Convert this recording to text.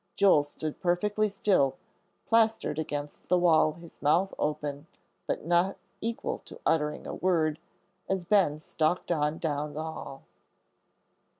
Joel stood perfectly still, plastered against the wall, his mouth open, but not equal to uttering a word, as Ben stalked on down the hall.